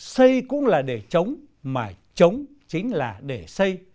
xây cũng là để chống mà chống chính là để xây